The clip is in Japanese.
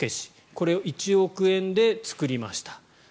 これ、１億円で作りました。